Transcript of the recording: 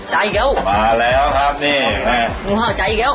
จ่ายอีกแล้วมาแล้วครับเนี่ยผู้เห่าจ่ายอีกแล้ว